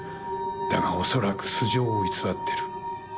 だが恐らく素性を偽ってる。